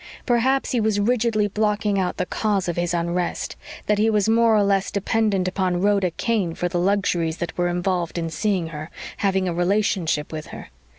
_ Perhaps he was rigidly blocking out the cause of his unrest that he was more or less dependent upon Rhoda Kane for the luxuries that were involved in seeing her, having a relationship with her.